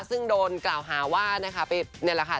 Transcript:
ซึ่งโดนกล่าวหาว่านะคะนี่แหละค่ะ